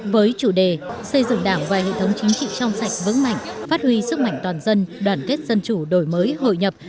với chủ đề xây dựng đảng và hệ thống chính trị trong sạch vững mạnh phát huy sức mạnh toàn dân đoàn kết dân chủ đổi mới hội nhập